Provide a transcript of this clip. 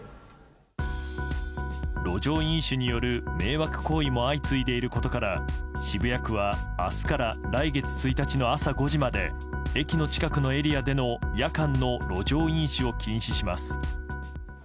路上飲酒による迷惑行為も相次いでいることから渋谷区は明日から来月１日の朝５時まで駅の近くのエリアでの夜間の路上飲酒を禁止します。